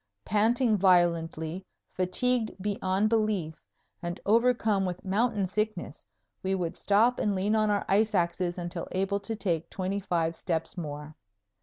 Panting violently, fatigued beyond belief, and overcome with mountain sickness, we would stop and lean on our ice axes until able to take twenty five steps more.